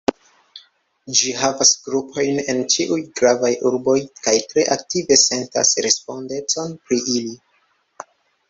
Ĝi havas grupojn en ĉiuj gravaj urboj, kaj tre aktive sentas respondecon pri ili.